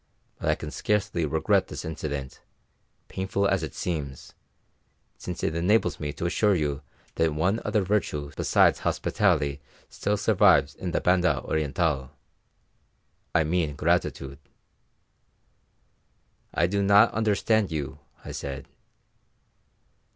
But I can scarcely regret this incident, painful as it seems, since it enables me to assure you that one other virtue besides hospitality still survives in the Banda Orientál I mean gratitude." "I do not understand you," I said.